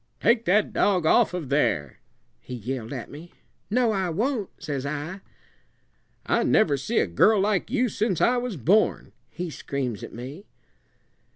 'Take that dog off of there!' he yelled at me. 'No, I won't,' says I. 'I never see a girl like you since I was born,' he screams at me.